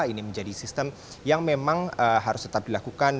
ini menjadi sistem yang memang harus tetap dilakukan